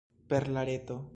Per la reto.